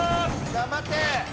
頑張って！